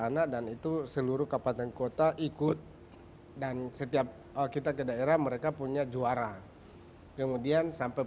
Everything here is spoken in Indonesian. anak dan itu seluruh kabupaten kota ikut dan setiap kita ke daerah mereka punya juara kemudian sampai